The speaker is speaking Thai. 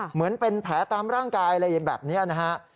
เหมือนเป็นแผลตามร่างกายอะไรแบบนี้นะฮะ